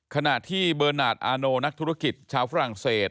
ขณะที่เบอร์นาทอาโนนักธุรกิจชาวฝรั่งเศส